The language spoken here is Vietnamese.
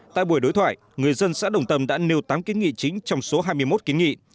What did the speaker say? tại buổi đối thoại người dân xã đồng tâm đã nêu tám kiến nghị chính trong số hai mươi một kiến nghị